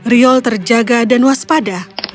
riol terjaga dan waspada